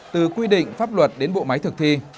từ quy định pháp luật đến bộ máy thực thi